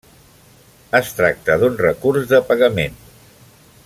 Es tracta d'un recurs de pagament.